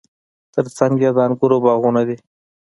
ترڅنګ یې د انګورو باغونه دي.